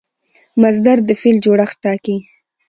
مصدر د فعل جوړښت ټاکي.